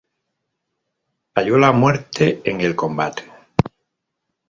Halló la muerte en el combate.